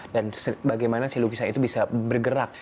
dan bagaimana lukisan itu bisa bergerak